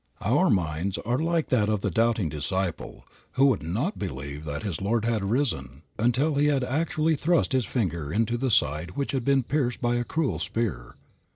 Our minds are like that of the doubting disciple, who would not believe that his Lord had risen until he had actually thrust his finger into the side which had been pierced by a cruel spear.